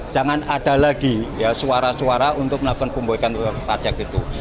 jangan ada lagi suara suara untuk melakukan pemboikan pajak itu